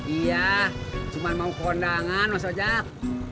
iya cuma mau ke ondangan mas ojak